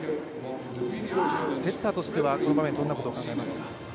セッターとしてはこの場面どんなことを考えますか？